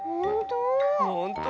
ほんと？